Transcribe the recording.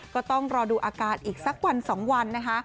ก็ต้องรอดูอาการอีกสักวัน๒วันนะคะ